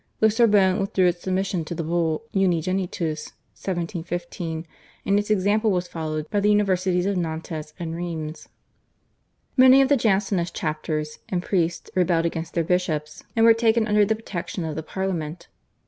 The Sorbonne withdrew its submission to the Bull /Unigenitus/ (1715), and its example was followed by the Universities of Nantes and Rheims. Many of the Jansenist chapters and priests rebelled against their bishops, and were taken under the protection of the Parliament.